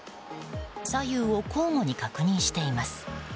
左右を交互に確認しています。